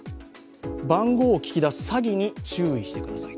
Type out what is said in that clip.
番号を聞き出す詐欺に注意してください。